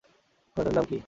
ঘোড়াটার নাম কী?